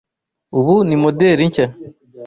Ubu ni moderi nshya.